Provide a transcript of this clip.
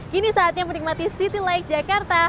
kini saatnya menikmati city like jakarta